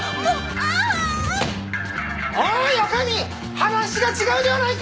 話が違うではないか！